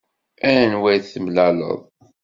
Anwa i d-temlaleḍ?